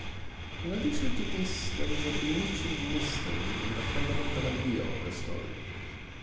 In addition to this there is a bewitching mystery in the fundamental idea of the story.